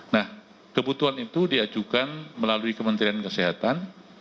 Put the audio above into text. nah kebutuhan itu diajukan melalui kementerian kesehatan